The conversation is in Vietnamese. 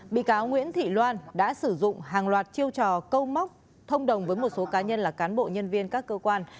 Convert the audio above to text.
bị cáo nguyễn thị loan đã sử dụng hàng loạt chiêu trò câu móc thông đồng với một số cá nhân là cán bộ nhân viên các cơ quan